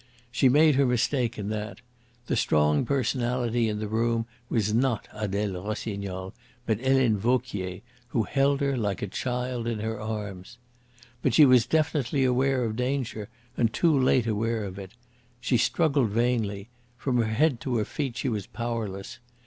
She made her mistake in that. The strong personality in the room was not Adele Rossignol, but Helene Vauquier, who held her like a child in her arms. But she was definitely aware of danger, and too late aware of it. She struggled vainly. From her head to her feet she was powerless.